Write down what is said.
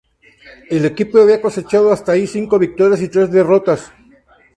El equipo había cosechado hasta ahí cinco victorias y tres derrotas.